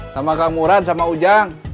sama kang murad sama ujang